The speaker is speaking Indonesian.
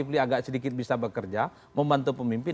publik agak sedikit bisa bekerja membantu pemimpin